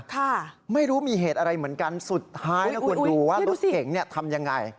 ค่ะไม่รู้มีเหตุอะไรเหมือนกันสุดท้ายนะคุณดูว่ารถเก๋งเนี่ยทำยังไง